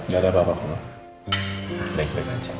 gak ada apa apa pak